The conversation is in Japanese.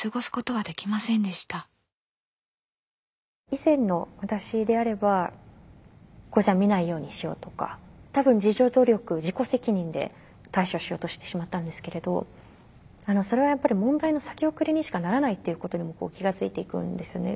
以前の私であれば見ないようにしようとか多分自助努力自己責任で対処しようとしてしまったんですけれどそれはやっぱり問題の先送りにしかならないっていうことに気が付いていくんですね。